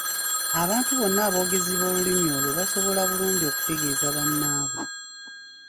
Abantu bonna aboogezi b’olulimi olwo basobola bulungi okutegeeza bannaabwe.